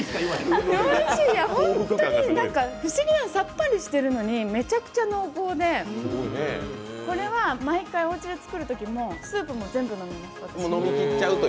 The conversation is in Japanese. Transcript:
不思議なんです、さっぱりしてるのにめちゃくちゃ濃厚で、これは毎回、おうちで作るときもスープも全部飲むんです。